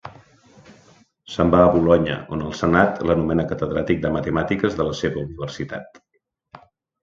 Se'n va a Bolonya, on el senat l'anomena catedràtic de matemàtiques de la seva Universitat.